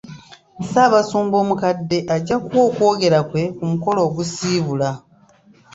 Ssaabasumba omukadde ajja kuwa okwogera kwe ku mukolo ogusiibula.